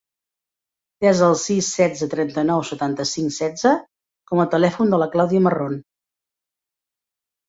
Desa el sis, setze, trenta-nou, setanta-cinc, setze com a telèfon de la Clàudia Marron.